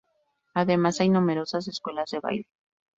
Además, hay numerosas escuelas de baile.